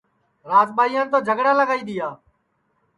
راج ٻائیان تو جھگڑا لگائی دِؔیا